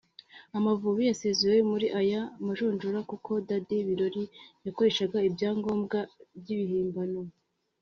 Amavubi yasezerewe muri aya majonjora kuko Dady Birori yakoreshaga ibyangombwa by’ibihimbano